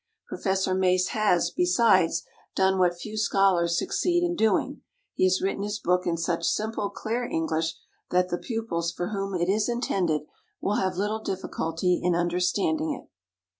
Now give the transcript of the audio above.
Professor Mace has, besides, done what few scholars succeed in doing. He has written his book in such simple, clear English that the pupils for whom it is intended will have little difficulty in understanding it.